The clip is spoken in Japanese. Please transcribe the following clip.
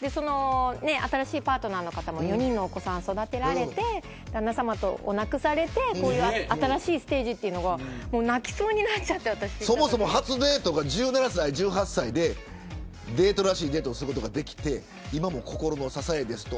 新しいパートナーの方も４人のお子さんを育てられて旦那さまを亡くされて新しいステージというのが初デートが１７歳、１８歳でデートらしいデートをすることができて今も心の支えですと。